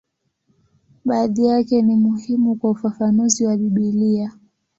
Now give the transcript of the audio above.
Baadhi yake ni muhimu kwa ufafanuzi wa Biblia.